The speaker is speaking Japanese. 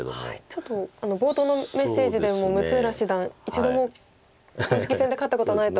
ちょっと冒頭のメッセージでも六浦七段一度も公式戦で勝ったことないとおっしゃってましたが。